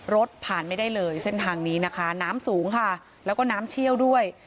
รถผ่านไม่ได้เลยเส้นทางนี้นะคะน้ำสูงค่ะแล้วก็น้ำเชี่ยวด้วย